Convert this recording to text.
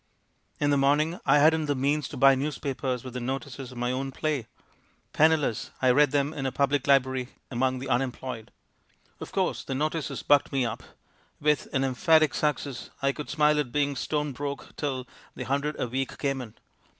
In the morning I hadn't the means to buy newspapers with the notices of my own play. Penniless, I read them in a public library among the Unemployed! "Of course, the notices bucked me up. With an 'emphatic success,' I could smile at being stone broke till the hundred a week came in.